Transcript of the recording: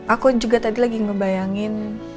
aku juga tadi lagi ngebayangin